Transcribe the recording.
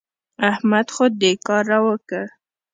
احمد خو دې کار را وکړ.